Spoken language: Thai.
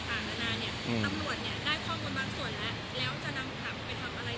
จากการเอามาเลือดไว้อะไรต่างหน้านี่